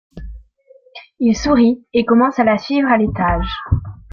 Il sourit et commence à la suivre à l'étage.